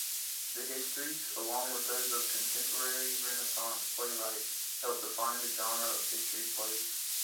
The histories-along with those of contemporary Renaissance playwrights-help define the genre of history plays.